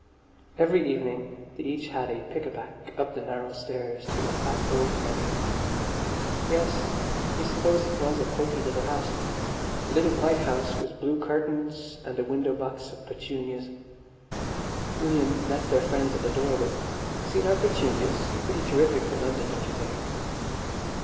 Every evening they each had a pick a back up the narrow stairs to their fat old Nanny. Yes, he supposed it was a poky little house. A little white house with blue curtains and a window box of petunias. William met their friends at the door with "Seen our petunias? Pretty terrific for London, don't you think?"